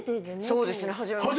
そうですね初めまして。